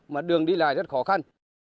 mà đường đi lại rất khó khăn